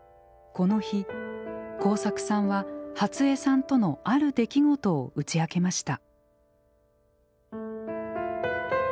この日耕作さんは初江さんとのある出来事を打ち明けました。